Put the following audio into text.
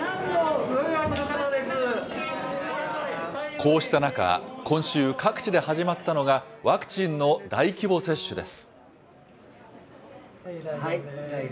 こうした中、今週、各地で始まったのが、ワクチンの大規模接種です。